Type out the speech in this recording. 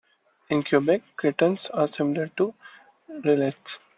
In Quebec, cretons are similar to rillettes.